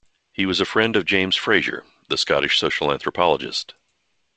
He was a friend of James Frazer, the Scottish social anthropologist.